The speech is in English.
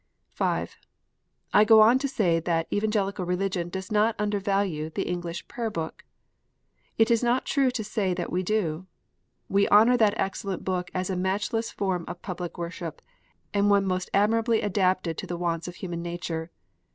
(5) I go on to say that Evangelical Religion does not under value the English Prayer book. It is not true to say that we do. We honour that excellent book as a matchless form of public worship, and one most admirably adapted to the wants of human nature.